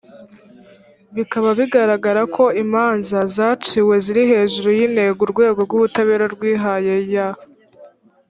bikaba bigaragara ko imanza zaciwe ziri hejuru y’intego urwego rw’ubutabera rwihaye y